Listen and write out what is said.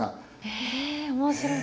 え面白い。